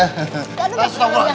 kita sudah pulang gym